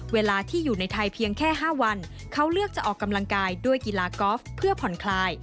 เวลาที่อยู่ในไทยเพียงแค่๕วันเขาเลือกจะออกกำลังกายด้วยกีฬากอล์ฟเพื่อผ่อนคลาย